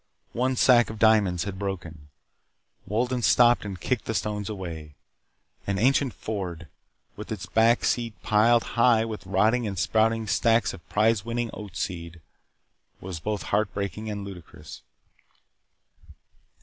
One sack of diamonds had broken. Wolden stopped and kicked the stones away. An ancient Ford, with its back seat piled high with rotting and sprouting sacks of prize winning oat seed, was both heart breaking and ludicrous.